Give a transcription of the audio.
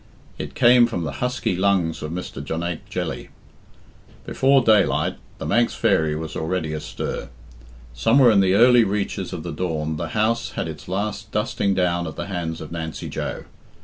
It came from the husky lungs of Mr. Jonaique Jelly. Before daylight "The Manx Fairy" was already astir. Somewhere in the early reaches of the dawn the house had its last dusting down at the hands of Nancy Joe.